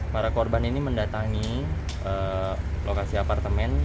para korban ini mendatangi lokasi apartemen